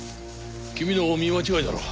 君の見間違いだろう。